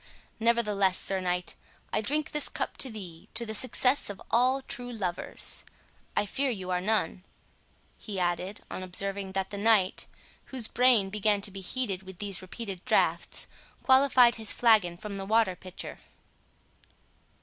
Nevertheless, Sir Knight, I drink this cup to thee, to the success of all true lovers—I fear you are none," he added, on observing that the knight (whose brain began to be heated with these repeated draughts) qualified his flagon from the water pitcher.